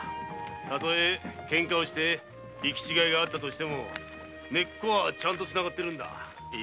たとえケンカして行き違いがあっても根っ子はちゃんとつながってるんだ。